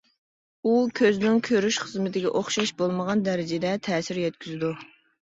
ئۇ كۆزنىڭ كۆرۈش خىزمىتىگە ئوخشاش بولمىغان دەرىجىدە تەسىر يەتكۈزىدۇ.